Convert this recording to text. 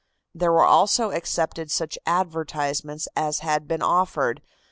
There also were accepted such advertisements as had been offered.